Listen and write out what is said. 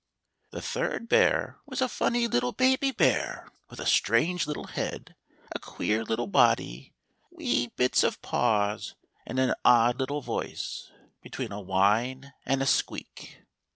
The third bear was a funny little baby bear, with a strange little head, a queer little body, wee bits of paws, and an odd little voice, between a whine and a squeak.